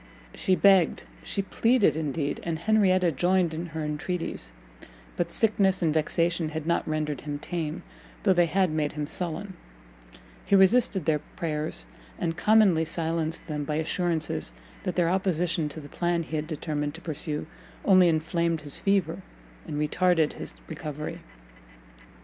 She begged, she pleaded, indeed, and Henrietta joined in her entreaties; but sickness and vexation had not rendered him tame, though they had made him sullen: he resisted their prayers, and commonly silenced them by assurances that their opposition to the plan he had determined to pursue, only inflamed his fever, and retarded his recovery.